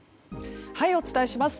お伝えします。